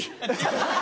ハハハ！